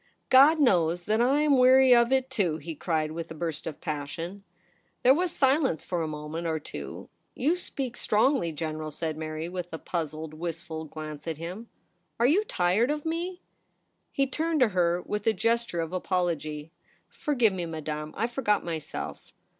* God knows that I am weary of it, too !' he cried, with a burst of passion. There was silence for a moment or two. * You speak strongly, General,' said Mary, with a puzzled, wistful glance at him. ' Are you tired of me ?' He turned to her with a gesture of apology. ' Forgive me, Madame. I forgot myself.'